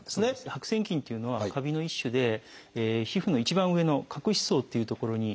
白癬菌っていうのはカビの一種で皮膚の一番上の角質層という所に住み着きます。